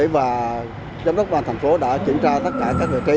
và giám đốc quân thành phố đã chuyển cho tất cả các vị trí